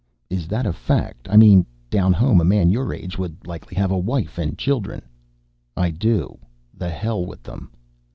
"Is that a fact? I mean, down home a man your age would likely have a wife and children." "I do. The hell with them."